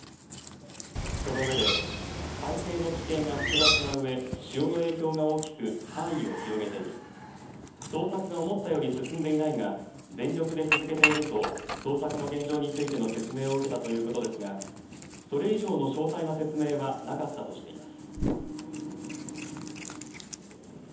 その上で海底の地形が複雑なうえ潮の影響が大きく範囲を広げている捜索が思ったより進んでいないが全力で続けていると捜索の現状についての説明を受けたということですかそれ以上の詳細の説明はなかったとしています。